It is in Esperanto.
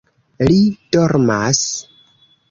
Li dormas?